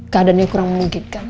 keadaannya kurang memungkinkan